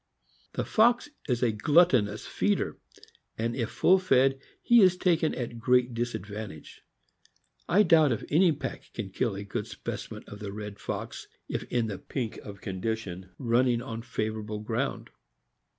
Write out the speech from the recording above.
The fox is a gluttonous feeder, and if full fed he is taken at great disadvantage. I doubt if any pack can kill a good specimen of the red fox if in the pink of condition, running on favorable ground.